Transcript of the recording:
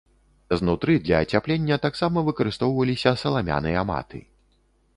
Знутры для ацяплення таксама выкарыстоўваліся саламяныя маты.